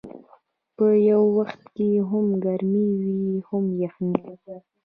په یو وخت کې هم ګرمي وي هم یخني.